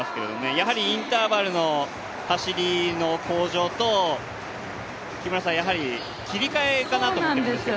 やはりインターバルの走りの向上と木村さん、切り替えかなと思うんですけど。